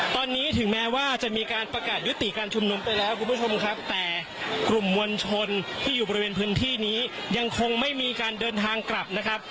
ตอนนี้ถึงแม้ว่าจะมีการประกาศยุติการชุมนุมไปแล้วคุณผู้ชมครับแต่กลุ่มมวลชนที่อยู่บริเวณพื้นที่นี้ยังคงไม่มีการเดินทางกลับนะครับ